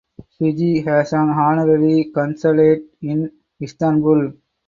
Fiji has an honorary consulate in Istanbul.